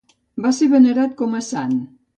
Va ser venerat com a sant.